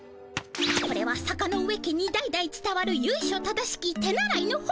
これは坂ノ上家に代々つたわるゆいしょ正しき手習いの本。